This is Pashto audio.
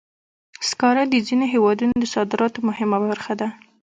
سکاره د ځینو هېوادونو د صادراتو مهمه برخه ده.